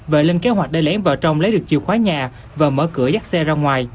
và lên kế hoạch để lén vào trong lấy được chìa khóa nhà và mở cửa dắt xe ra ngoài